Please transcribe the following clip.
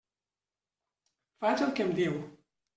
Faig el que em diu.